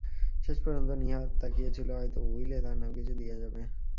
শেষ পর্যন্ত নীহার তাকিয়ে ছিল হয়তো উইলে তার নামে কিছু দিয়ে যাবে।